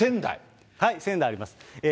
仙台あります。